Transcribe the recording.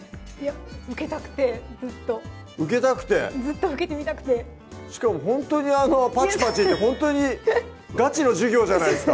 受けたくてずっとずっと受けてみたくてしかもほんとにあのパチパチってほんとにガチの授業じゃないですか